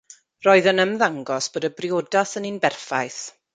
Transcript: Roedd yn ymddangos bod y briodas yn un berffaith.